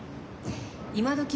今どき